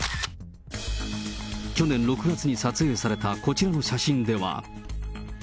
去年６月に撮影されたこちらの写真では。